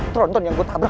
teronton yang gue tabrak